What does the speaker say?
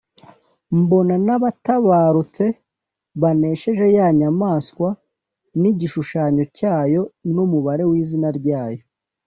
mbona n’abatabarutse banesheje ya nyamaswa n’igishushanyo cyacyo n’umubare w’izina ryayo,